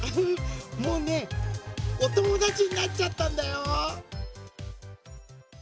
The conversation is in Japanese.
もうねおともだちになっちゃったんだよ！